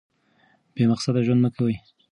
بې مقصده ژوند مه کوئ.